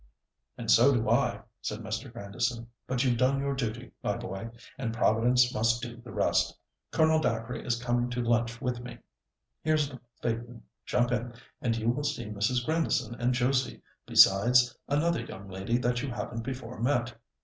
"And so do I," said Mr. Grandison; "but you've done your duty, my boy, and Providence must do the rest. Colonel Dacre is coming to lunch with me. Here's the phaeton, jump in and you will see Mrs. Grandison and Josie, besides another young lady that you haven't before met."